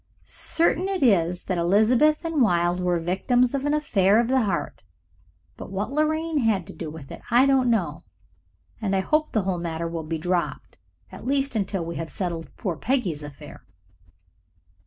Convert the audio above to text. Certain it is that Elizabeth and Wilde were victims of an affair of the heart, but what Lorraine has had to do with it I don't know, and I hope the whole matter will be dropped at least until we have settled poor Peggy's affair.